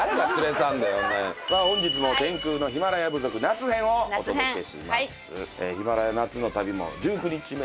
さあ本日も天空のヒマラヤ部族夏編をお届けします。